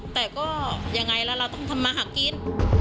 แต่ก็ยังไงแล้วเราต้องทำมาหากิน